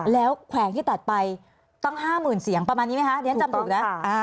แล้วแขวงที่ตัดไปต้อง๕๐๐๐๐เสียงประมาณนี้ไหมคะ